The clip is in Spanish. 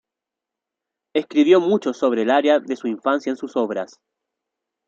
Escribió mucho sobre el área de su infancia en sus obras.